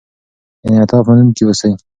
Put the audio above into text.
انعطاف منونکي اوسئ.